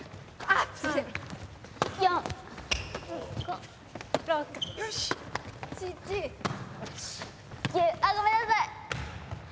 ９あっごめんなさい！